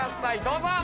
どうぞ！